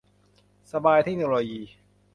สบาย เทคโนโลยี